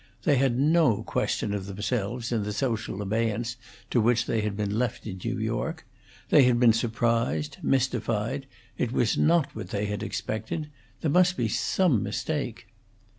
They had no question of themselves in the social abeyance to which they had been left in New York. They had been surprised, mystified; it was not what they had expected; there must be some mistake.